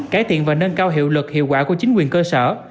cải thiện và nâng cao hiệu lực hiệu quả của chính quyền cơ sở